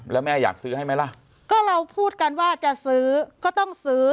แล้วแม่อยากซื้อให้ไหมล่ะก็เราพูดกันว่าจะซื้อก็ต้องซื้อ